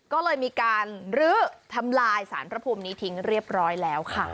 ก็เลยมีการลื้อทำลายสารพระภูมินี้ทิ้งเรียบร้อยแล้วค่ะ